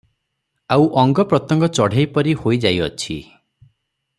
ଆଉ ଅଙ୍ଗ ପ୍ରତ୍ୟଙ୍ଗ ଚଢ଼େଇ ପରି ହୋଇ ଯାଇଅଛି ।